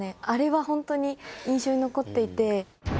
あれはホントに印象に残っていて。